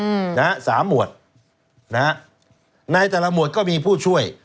อืมนะฮะสามหมวดนะฮะในแต่ละหมวดก็มีผู้ช่วย